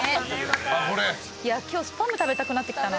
いや今日スパム食べたくなってきたな。